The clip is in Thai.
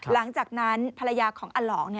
หลังจากนั้นภรรยาของอลอง